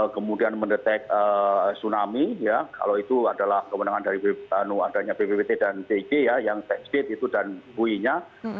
kemudian mendetek tsunami kalau itu adalah kemenangan dari bppt dan tg yang tech state itu dan ui nya